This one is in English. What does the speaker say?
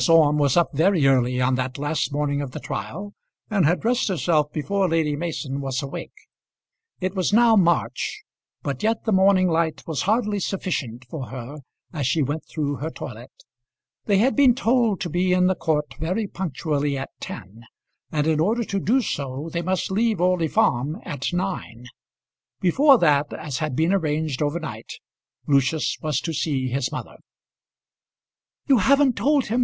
Orme was up very early on that last morning of the trial, and had dressed herself before Lady Mason was awake. It was now March, but yet the morning light was hardly sufficient for her as she went through her toilet. They had been told to be in the court very punctually at ten, and in order to do so they must leave Orley Farm at nine. Before that, as had been arranged over night, Lucius was to see his mother. "You haven't told him!